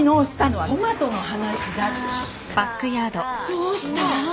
どうした？